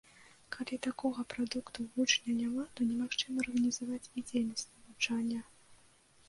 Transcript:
Калі такога прадукту вучня няма, то немагчыма арганізаваць і дзейнасць навучання.